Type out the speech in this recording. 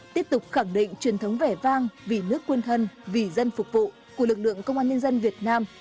tiếp tục khẳng định truyền thống vẻ vang vì nước quên thân vì dân phục vụ của lực lượng công an nhân dân việt nam